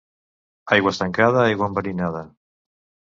Aigua estancada, aigua enverinada.